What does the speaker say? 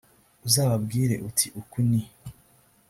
uzababwire uti uku ni